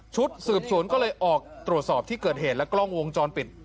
ชุดสืบสวนก็เลยออกตรวจสอบที่เกิดเหตุและกล้องวงจรปิด